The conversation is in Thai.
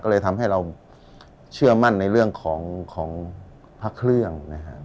ก็เลยทำให้เราเชื่อมั่นในเรื่องของพระเครื่องนะครับ